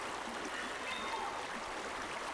საქართველოში იზრდება ქართლში, გარე კახეთსა და ქიზიყში.